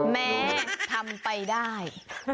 แม่ทำไปได้